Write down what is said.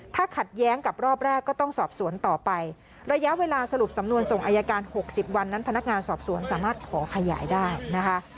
ถ้าขัดแย้งกับรอบแรกก็ต้องสอบสวนต่อไประยะเวลาสรุปสำนวนส่งอายการ๖๐วันนั้นพนักงานสอบสวนสามารถขอขยายได้นะคะ